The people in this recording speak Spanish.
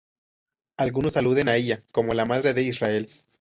Algunos aluden a ella como la madre de Israel.